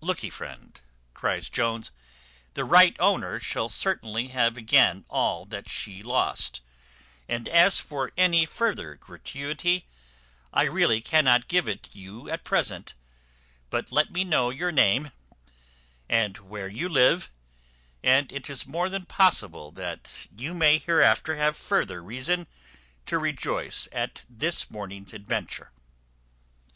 "Lookee, friend," cries Jones, "the right owner shall certainly have again all that she lost; and as for any farther gratuity, I really cannot give it you at present; but let me know your name, and where you live, and it is more than possible you may hereafter have further reason to rejoice at this morning's adventure."